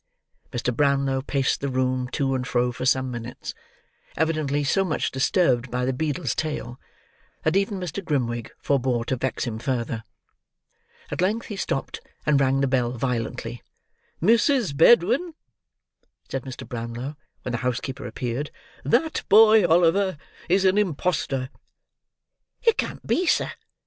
Mr. Brownlow paced the room to and fro for some minutes; evidently so much disturbed by the beadle's tale, that even Mr. Grimwig forbore to vex him further. At length he stopped, and rang the bell violently. "Mrs. Bedwin," said Mr. Brownlow, when the housekeeper appeared; "that boy, Oliver, is an imposter." "It can't be, sir.